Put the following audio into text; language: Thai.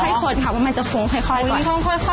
ใช่ค่อยค้นค่ะมันจะฟุ้งค่อยก่อน